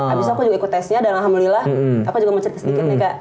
habis itu aku ikut tesnya dan alhamdulillah aku juga mau cerita sedikit nih kak